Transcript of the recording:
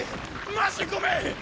マジでごめん！